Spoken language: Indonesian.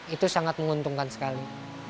itu sangat menguntungkan sekali